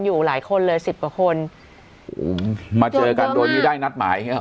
อยู่หลายคนเลยสิบกว่าคนมาเจอกันโดยไม่ได้นัดหมาย